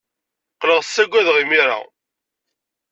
Qqleɣ ssaggadeɣ imir-a?